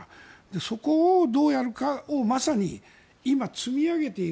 そこをどうやるかをまさに今、積み上げている。